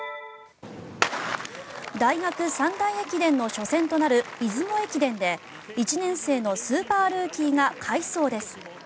大学三大駅伝の初戦となる出雲駅伝で１年生のスーパールーキーが快走です。